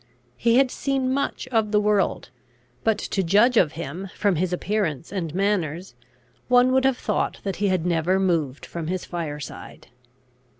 He had seen much of the world; but, to judge of him from his appearance and manners, one would have thought that he had never moved from his fire side.